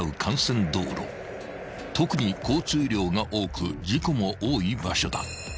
［特に交通量が多く事故も多い場所だ］